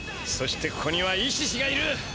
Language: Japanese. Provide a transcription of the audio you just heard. そしてここにはイシシがいる。